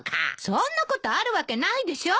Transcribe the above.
そんなことあるわけないでしょ！